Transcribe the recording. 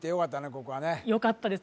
ここはねよかったです